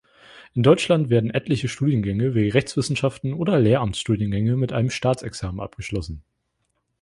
In Deutschland werden etliche Studiengänge wie Rechtswissenschaften oder Lehramtsstudiengänge mit einem Staatsexamen abgeschlossen.